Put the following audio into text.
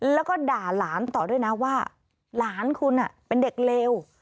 แล้วก็ด่าหลานต่อด้วยนะว่าหลานคุณเป็นเด็กเลว